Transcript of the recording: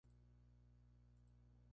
La calidad conseguida fue excelente.